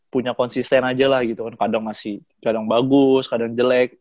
punya konsisten aja lah gitu kan kadang masih kadang bagus kadang jelek